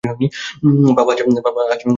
বাবা আছে তো তোমার পাশে!